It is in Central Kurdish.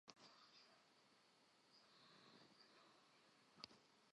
کەس نییە مانای وشەکانی کۆم کردوونەوە بزانێ